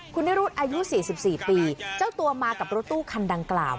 คุณนิรุธอายุ๔๔ปีเจ้าตัวมากับรถตู้คันดังกล่าว